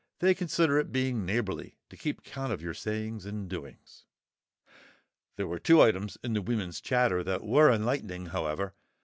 They consider it being neighbourly to keep count of your sayings and doings. There were two items in the women's chatter that were enlightening, however.